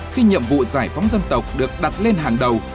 khi nhiệm vụ giải phóng dân tộc được đặt lên hàng đầu